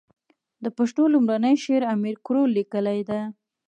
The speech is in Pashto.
د پښتو لومړنی شعر امير کروړ ليکلی ده.